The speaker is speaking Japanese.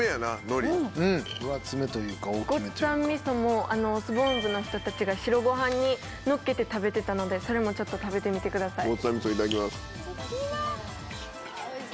ごっつぁん味噌も相撲部の人たちが白ご飯にのっけて食べてたのでそれもちょっと食べてみてください。